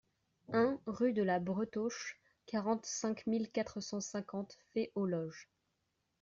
un rue de la Bretauche, quarante-cinq mille quatre cent cinquante Fay-aux-Loges